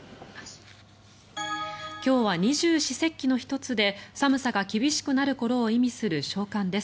今日は二十四節気の１つで寒さが厳しくなる頃を意味する小寒です。